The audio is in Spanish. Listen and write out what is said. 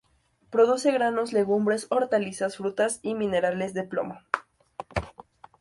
Produce granos, legumbres, hortalizas, frutas y minerales de plomo.